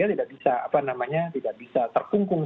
tidak bisa terkungkung